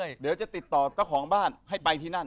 เวลาจะติดต่อก็ของบ้านให้ไปที่นั่น